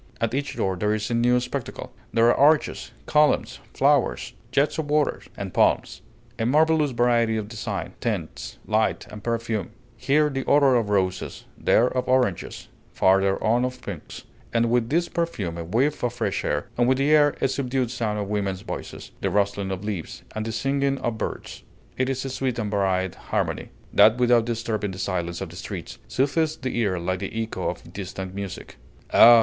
At each door there is a new spectacle; there are arches, columns, flowers, jets of water, and palms; a marvelous variety of design, tints, light, and perfume; here the odor of roses, there of oranges, farther on of pinks; and with this perfume a whiff of fresh air, and with the air a subdued sound of women's voices, the rustling of leaves, and the singing of birds. It is a sweet and varied harmony, that without disturbing the silence of the streets, soothes the ear like the echo of distant music. Ah!